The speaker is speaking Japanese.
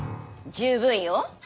十分よ。